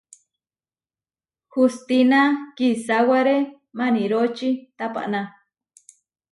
Hustína kisáware maniróči tapaná.